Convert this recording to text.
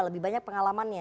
lebih banyak pengalamannya